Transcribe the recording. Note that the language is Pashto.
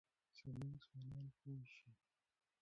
زموږ ځوانان پوه شي.